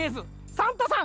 サンタさん！